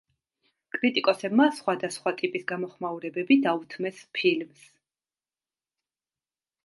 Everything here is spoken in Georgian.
კრიტიკოსებმა სხვა და სხვა ტიპის გამოხმაურებები დაუთმეს ფილმს.